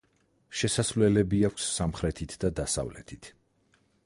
შესასვლელები აქვს სამხრეთით და დასავლეთით.